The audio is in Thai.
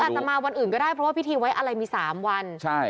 อาจจะมาวันอื่นก็ได้เพราะว่าพิธีไว้อะไรมี๓วัน